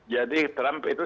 jadi trump itu